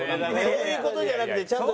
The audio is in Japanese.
そういう事じゃなくてちゃんとね。